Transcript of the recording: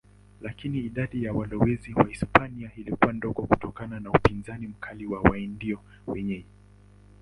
Lakini idadi ya walowezi Wahispania ilikuwa ndogo kutokana na upinzani mkali wa Waindio wenyeji.